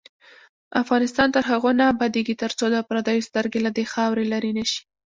افغانستان تر هغو نه ابادیږي، ترڅو د پردیو سترګې له دې خاورې لرې نشي.